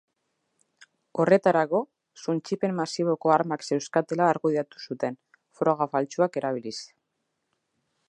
Horretarako, suntsipen masiboko armak zeuzkatela argudiatu zuten, froga faltsuak erabiliz.